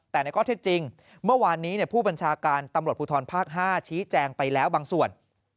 แต่ในข้อเท็จจริงเมื่อวานนี้ผู้บัญชาการตำรวจภูทรภาค๕ชี้แจงไปแล้วบางส่วน